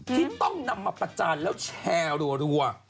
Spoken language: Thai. ที่ต้องนำมาประจานแล้วแชร์รัว